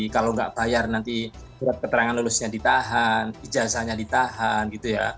kalau nggak bayar nanti surat keterangan lulusnya ditahan ijazahnya ditahan gitu ya